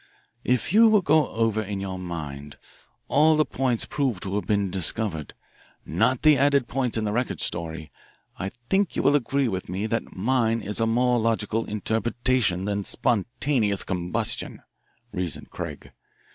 "If you will go over in your mind all the points proved to have been discovered not the added points in the Record story I think you will agree with me that mine is a more logical interpretation than spontaneous combustion," reasoned Craig.